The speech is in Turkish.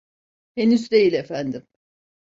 Henüz değil, efendim.